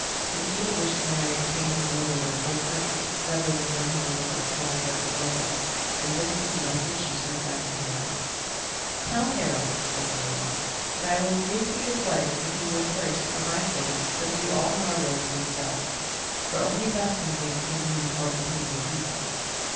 But Gyda wished to marry a king who ruled over a whole country, rather than one who owned but a small part of Norway, and this was the message she sent back to Harald: "Tell Harald," said the maiden, "that I will agree to be his wife if he will first, for my sake, subdue all Norway to himself, for only thus methinks can he be called the king of a people."